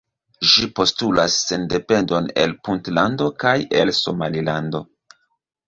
Ĝi postulas sendependon el Puntlando kaj el Somalilando.